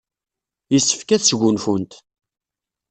Yessefk ad sgunfunt.